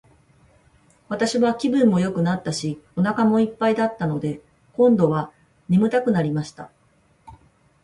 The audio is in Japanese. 私は気分もよくなったし、お腹も一ぱいだったので、今度は睡くなりました。